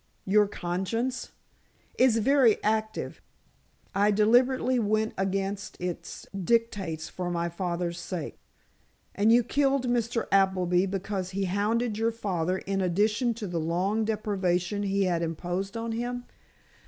"Your conscience?" "Is very active. I deliberately went against its dictates for my father's sake." "And you killed Mr. Appleby because he hounded your father in addition to the long deprivation he had imposed on him?"